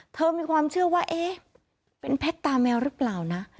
มีความเชื่อว่าเอ๊ะเป็นเพชรตาแมวหรือเปล่านะ